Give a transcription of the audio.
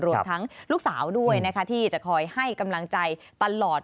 รวมทั้งลูกสาวด้วยนะคะที่จะคอยให้กำลังใจตลอด